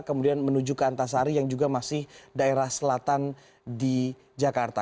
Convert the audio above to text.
kemudian menuju ke antasari yang juga masih daerah selatan di jakarta